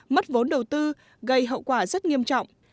mất vốn đầu tư gây hậu quả rất nghiêm trọng